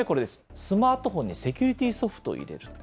スマートフォンにセキュリティーソフトを入れる。